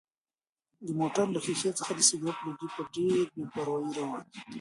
د موټر له ښیښې څخه د سګرټ لوګی په ډېرې بې پروایۍ راووت.